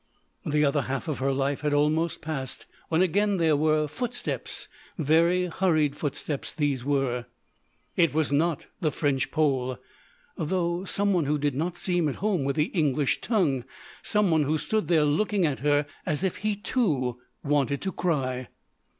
The other half of her life had almost passed when again there were footsteps very hurried footsteps, these were. It was not the French Pole, though some one who did not seem at home with the English tongue, some one who stood there looking at her as if he, too, wanted to cry.